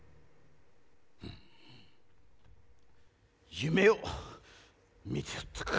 夢を見ておったか。